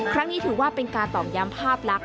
ครั้งนี้ถือว่าเป็นการตอกย้ำภาพลักษณ